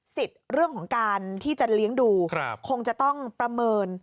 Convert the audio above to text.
เรื่องของการที่จะเลี้ยงดูคงจะต้องประเมิน